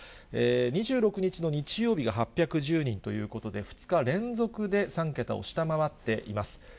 ２６日の日曜日が８１０人ということで、２日連続で３桁を下回っています。